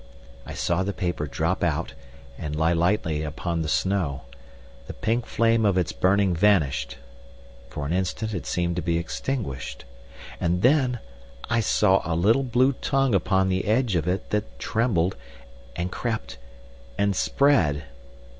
I saw the paper drop out and lie lightly upon the snow. The pink flame of its burning vanished. For an instant it seemed to be extinguished. And then I saw a little blue tongue upon the edge of it that trembled, and crept, and spread!